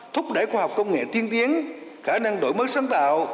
thúc đẩy khoa học công nghệ tiên tiến khả năng đổi mới sáng tạo